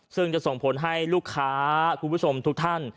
ซึ่งจะส่งผลให้ลูกค้าคุณผู้ชมทุกท่าน